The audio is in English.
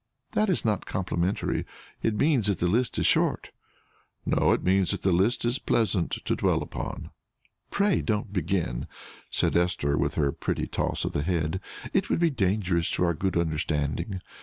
"That is not complimentary; it means that the list is short." "No; it means that the list is pleasant to dwell upon." "Pray don't begin," said Esther, with her pretty toss of the head; "it would be dangerous to our good understanding.